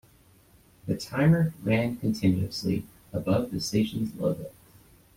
The timer ran continuously above the station's logo.